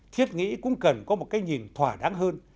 thiết nghĩ cũng cần có một cái nhìn thỏa đáng hơn